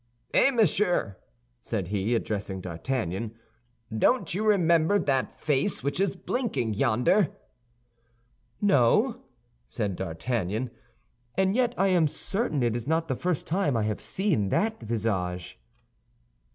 "Eh, monsieur!" said he, addressing D'Artagnan, "don't you remember that face which is blinking yonder?" "No," said D'Artagnan, "and yet I am certain it is not the first time I have seen that visage."